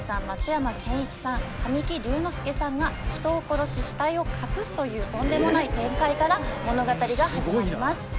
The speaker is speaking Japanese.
松山ケンイチさん神木隆之介さんが人を殺し死体を隠すというとんでもない展開から物語が始まります。